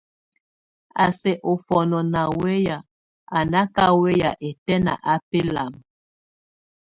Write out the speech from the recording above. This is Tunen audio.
A sɛk ofɔnɔɔ ná weya, a náka weya ɛtɛ́n á belam.